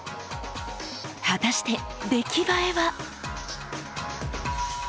果たして出来栄えは？